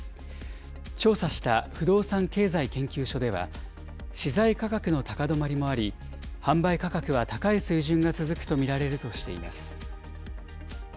調査した不動産経済研究所では、資材価格の高止まりもあり、販売価格は高い水準が続くと見られるとしています。